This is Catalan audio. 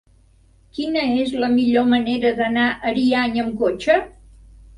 Quina és la millor manera d'anar a Ariany amb cotxe?